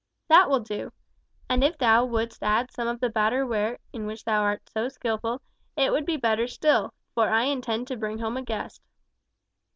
"That will do. And if thou wouldst add some of the batter ware, in which thou art so skilful, it would be better still; for I intend to bring home a guest."